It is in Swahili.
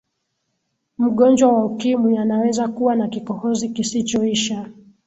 mgonjwa wa ukimwi anaweza kuwa na kikohozi kisichoisha